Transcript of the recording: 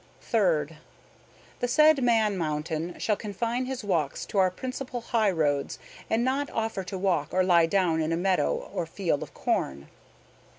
"Third. The said Man Mountain shall confine his walks to our principal high roads, and not offer to walk or lie down in a meadow or field of corn.